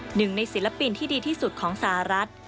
หนึ่งในศิลปินที่ดีที่สุดของสหรัฐ